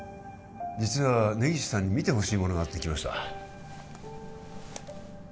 実は根岸さんに見てほしいものがあって来ました